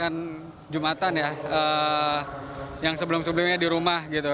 kan jumatan ya yang sebelum sebelumnya di rumah gitu